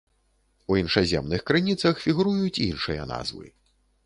У іншаземных крыніцах фігуруюць іншыя назвы.